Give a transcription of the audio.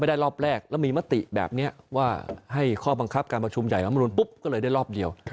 ได้รอบแรกแล้วมีมติแบบนี้ว่าให้ข้อบังคับการประชุมใหญ่รัฐมนุนปุ๊บก็เลยได้รอบเดียว